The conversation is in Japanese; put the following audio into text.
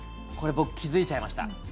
これ僕気付いちゃいました。